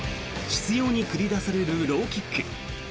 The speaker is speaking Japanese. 執ように繰り出されるローキック。